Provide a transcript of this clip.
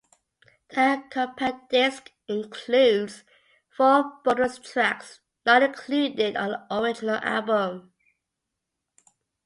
The compact disc includes four bonus tracks not included on the original album.